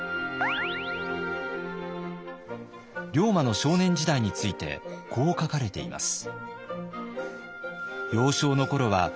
龍馬の少年時代についてこう書かれています。